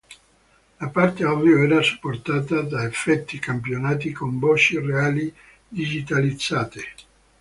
La parte audio era supportata da effetti campionati con voci reali digitalizzate.